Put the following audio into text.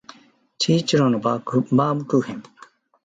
治一郎のバームクーヘン